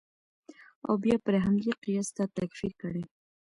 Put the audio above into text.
او بیا پر همدې قیاس تا تکفیر کړي.